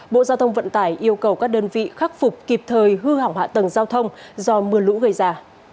bộ giao thông vận tải yêu cầu các đơn vị khắc phục kịp thời hư hỏng hạ tầng giao thông do mưa lũ gây ra